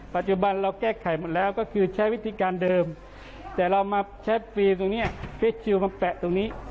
ปัจจุบันเราแก้ไขหมดแล้วก็คือใช้วิธีการเดิมแต่เรามาใช้ฟรีตรงนี้เฟสชิลมาแปะตรงนี้